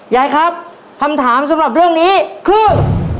ยายครับคำถามสำหรับเรื่องนี้คือ